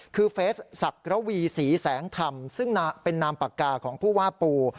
คือเฟสสักระวีศรีแสงธรรมซึ่งเป็นนามปากกาของผู้ว่าปู